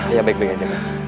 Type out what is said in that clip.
ayah baik baik aja gek